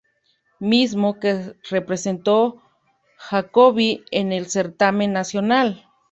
Mismo, que representó Jacoby en el certamen nacional.